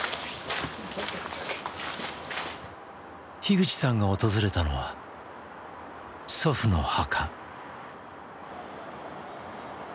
口さんが訪れたのは祖父の墓。